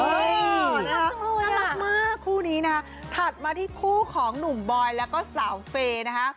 น่ารักมากคู่นี้นะคะถัดมาที่คู่ของหนุ่มบอยแล้วก็สาวเฟย์นะคะ